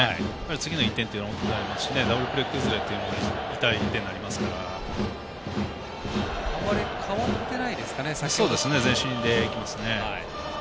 次の１点というのもありますしダブルプレー崩れというのも痛い１点になりますからあまり変わってないですかね。